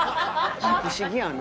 不思議やな。